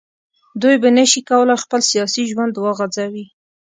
دوی به نه شي کولای خپل سیاسي ژوند وغځوي